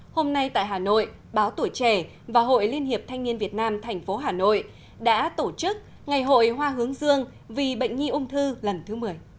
hôm nay tại hà nội báo tuổi trẻ và hội liên hiệp thanh niên việt nam thành phố hà nội đã tổ chức ngày hội hoa hướng dương vì bệnh nhi ung thư lần thứ một mươi